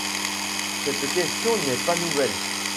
Cette question n'est pas nouvelle.